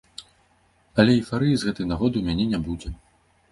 Але эйфарыі з гэтай нагоды ў мяне не будзе.